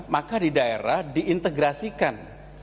maka di daerah diintegrasikan